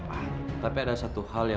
tahanku beleza suitka